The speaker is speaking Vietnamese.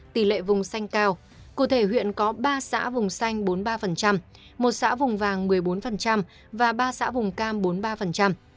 tỷ lệ vùng xanh cao cụ thể huyện có ba xã vùng xanh bốn mươi ba một xã vùng vàng một mươi bốn và ba xã vùng cam bốn mươi ba